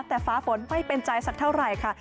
แต่ฟ้าฝนไม่เป็นใจสักเท่าไหร่ค่ะ